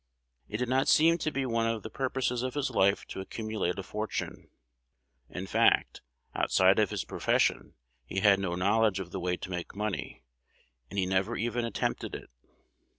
It did not seem to be one of the purposes of his life to accumulate a fortune. In fact, outside of his profession, he had no knowledge of the way to make money, and he never even attempted it.